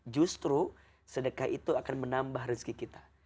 justru sedekah itu akan menambah rezeki kita